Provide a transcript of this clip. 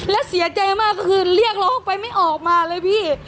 และเสียใจมากก็คือเรียกร้องไปไม่ออกมาเลยพี่